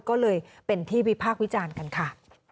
ก็เลยเป็นที่วิพากษ์วิจารณ์กันค่ะ